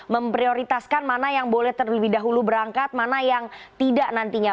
memprioritaskan mana yang boleh terlebih dahulu berangkat mana yang tidak nantinya